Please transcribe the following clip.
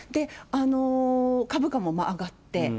株価も上がって。